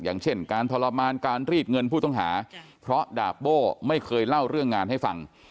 อย่างเช่นการทรมานการรีดเงินผู้ต้องหาเพราะดาบโบ้ไม่เคยเล่าเรื่องงานให้ฟัง